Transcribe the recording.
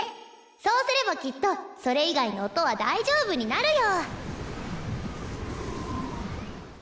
そうすればきっとそれ以外の音は大丈夫になるよ。